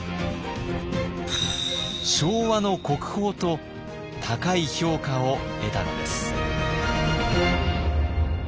昭和の国宝と高い評価を得たのです。